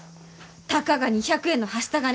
たかが２００円のはした金